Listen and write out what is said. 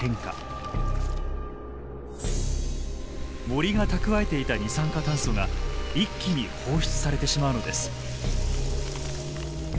森が蓄えていた二酸化炭素が一気に放出されてしまうのです。